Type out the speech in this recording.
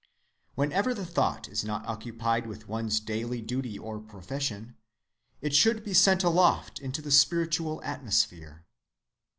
Whenever the thought is not occupied with one's daily duty or profession, it should be sent aloft into the spiritual atmosphere.